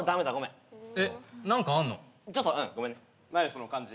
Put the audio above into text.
その感じ。